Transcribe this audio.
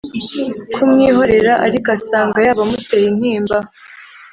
kumwihorera ariko asanga yaba amuteye intimba